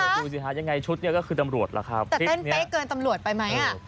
ดูสิฮะยังไงชุดเนี่ยก็คือตำรวจล่ะครับแต่เต้นเป๊ะเกินตำรวจไปไหมอ่ะ